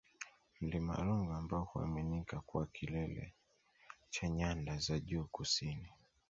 Mlima Rungwe ambao huaminika kuwa kilele cha Nyanda za Juu Kusini